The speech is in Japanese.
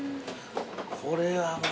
これはもう。